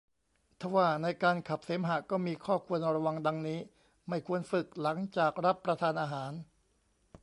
ทว่าในการขับเสมหะก็มีข้อควรระวัง ดังนี้ ไม่ควรฝึกหลังจากรับประทานอาหาร